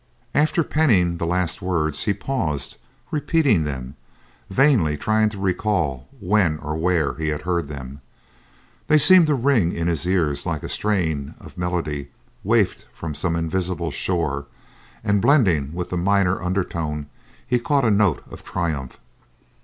After penning the last words he paused, repeating them, vainly trying to recall when or where he had heard them. They seemed to ring in his ears like a strain of melody wafted from some invisible shore, and blending with the minor undertone he caught a note of triumph.